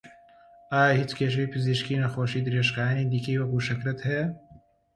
ئایا هیچ کێشەی پزیشکی نەخۆشی درێژخایەنی دیکەی وەکوو شەکرەت هەیە؟